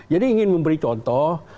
jadi ingin memberi contoh